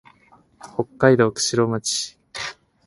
北海道釧路町